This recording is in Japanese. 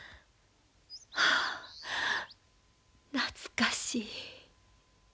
ああ懐かしい。